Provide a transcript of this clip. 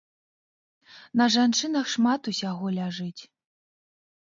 На жанчынах шмат усяго ляжыць.